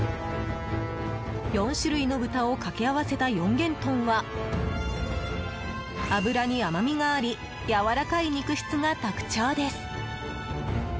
４種類の豚をかけ合わせた四元豚は脂に甘みがありやわらかい肉質が特徴です。